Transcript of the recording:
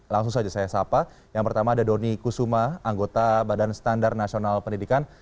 langsung saja saya sapa yang pertama ada doni kusuma anggota badan standar nasional pendidikan